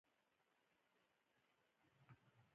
په چین او جاپان کې دواړو پېښو ډېر نږدېوالی درلود.